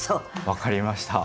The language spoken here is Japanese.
分かりました。